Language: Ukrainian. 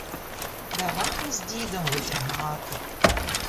Давай ми з дідом витягати.